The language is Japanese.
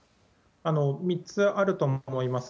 ３つあると思います。